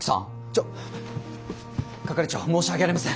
ちょ係長申し訳ありません。